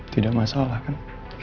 tidak masalah kan